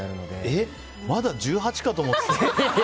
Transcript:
まだ１８かと思ってた。